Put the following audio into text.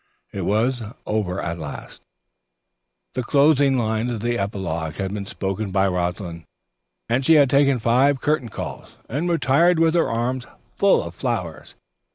It was over at last. The closing line of the Epilogue had been spoken by Rosalind, and she had taken five curtain calls and retired with her arms full of flowers.